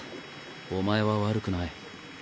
お前は悪くない。